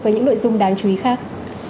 với những nội dung đáng chú ý khác